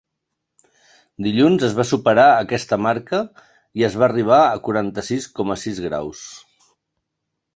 Dilluns es va superar aquesta marca i es va arribar a quaranta-sis coma sis graus.